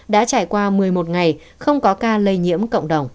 đã trải qua một mươi một ngày không có ca lây nhiễm cộng đồng